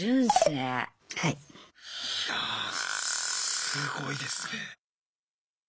いやすごいですね。